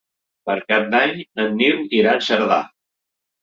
Per Cap d'Any en Nil irà a Cerdà.